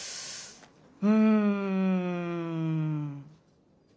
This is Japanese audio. うん。